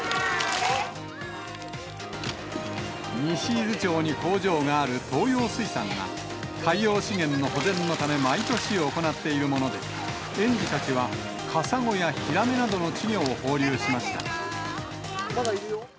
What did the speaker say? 西伊豆町に工場がある東洋水産が、海洋資源の保全のため、毎年行っているものですが、園児たちはカサゴやヒラメなどの稚魚を放流しました。